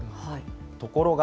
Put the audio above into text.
ところが、